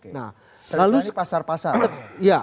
tradisional ini pasar pasar ya